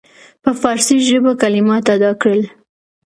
په فارسي ژبه کلمات ادا کړل.